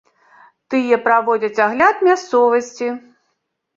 Тыя праводзяць агляд мясцовасці.